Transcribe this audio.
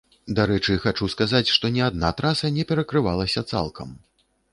Дарэчы, хачу сказаць, што ні адна траса не перакрывалася цалкам.